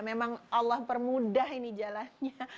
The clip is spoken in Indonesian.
memang allah permudah ini jalannya